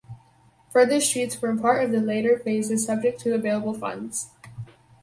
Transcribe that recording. Further streets formed part of later phases subject to available funds.